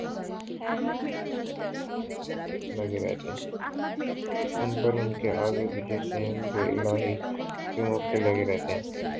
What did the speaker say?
ان پران کے آگے پیچھے سے امرِالٰہی کے مؤکل لگے رہتے ہیں